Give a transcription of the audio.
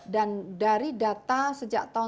dan dari data sejak tahun seribu sembilan ratus